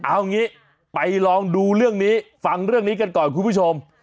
เอางี้ไปลองดูเรื่องนี้ฟังเรื่องนี้กันก่อนคุณผู้ชม